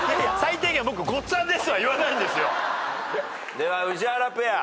では宇治原ペア。